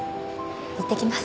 いってきます。